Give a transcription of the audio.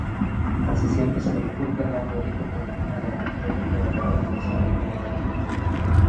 Casi siempre se bifurcan dando origen a las arterias colaterales dorsales de los dedos.